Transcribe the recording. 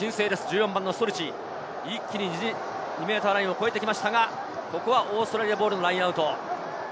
ポルトガルの新星ストルチ、一気に自陣、ラインを越えてきましたが、ここはオーストラリアボールのラインアウト。